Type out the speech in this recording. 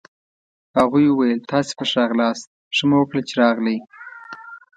هغوی وویل: تاسي په ښه راغلاست، ښه مو وکړل چي راغلئ.